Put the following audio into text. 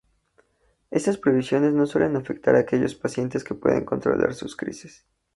Estas prohibiciones no suelen afectar a aquellos pacientes que puedan controlar sus crisis.